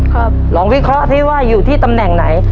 ลองวิเคราะห์สิว่าอยู่ที่ตำแหน่งไหน